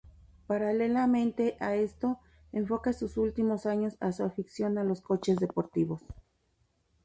Paralelamente a esto, enfoca sus últimos años a su afición a los coches deportivos.